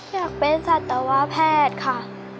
อยากเป็นสัตวแพทย์ค่ะ